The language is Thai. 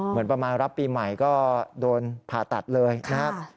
เหมือนประมาณรับปีใหม่ก็โดนผ่าตัดเลยนะครับ